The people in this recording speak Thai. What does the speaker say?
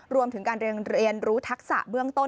รวมถึงการเรียนรู้ทักษะเบื้องต้น